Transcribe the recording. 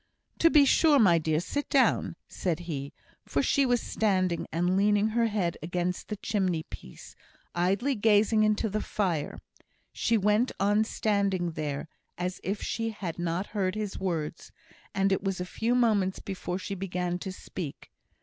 "To be sure, my dear! Sit down," said he; for she was standing and leaning her head against the chimney piece, idly gazing into the fire. She went on standing there, as if she had not heard his words; and it was a few moments before she began to speak.